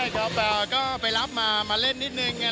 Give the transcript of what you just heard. ใช่ก็ไปรับมามาเล่นนิดหนึ่งอะไรแบบนี้ครับ